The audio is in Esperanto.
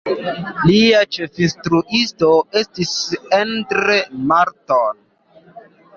Lia ĉefinstruisto estis Endre Marton.